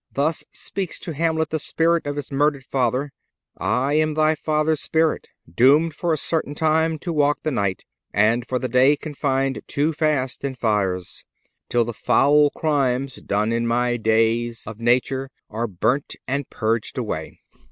Thus speaks to Hamlet the spirit of his murdered father: "I am thy father's spirit, Doom'd for a certain time to walk the night; And for the day confin'd too fast in fires, Till the foul crimes done in my days of nature Are burnt and purg'd away."